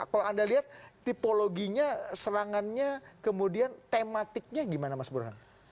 kalau anda lihat tipologinya serangannya kemudian tematiknya gimana mas burhan